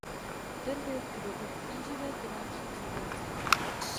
Ten byl v tu dobu v tíživé finanční situaci.